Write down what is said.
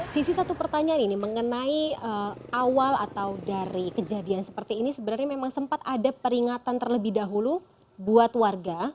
sisi satu pertanyaan ini mengenai awal atau dari kejadian seperti ini sebenarnya memang sempat ada peringatan terlebih dahulu buat warga